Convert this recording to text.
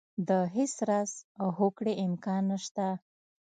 د هېڅ راز هوکړې امکان نه شته.